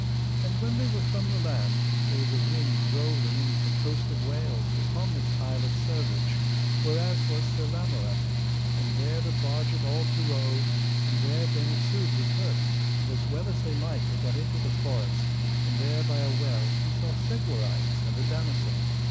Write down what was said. And when they were from the land, there was a wind drove them in to the coast of Wales upon this Isle of Servage, whereas was Sir Lamorak, and there the barget all to rove; and there Dame Isoud was hurt; and as well as they might they gat into the forest, and there by a well he saw Segwarides and a damosel.